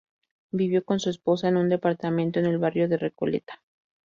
Vivió con su esposa en un departamento en el barrio de Recoleta.